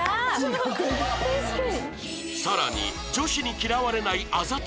さらに女子に嫌われないあざとさとは？